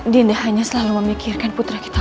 dianda hanya selalu memikirkan putra kita